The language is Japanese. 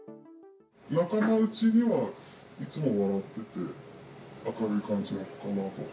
仲間うちには、いつも笑ってて、明るい感じの子かなと。